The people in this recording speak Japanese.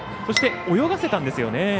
そして、泳がせたんですよね。